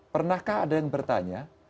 pernahkah ada yang bertanya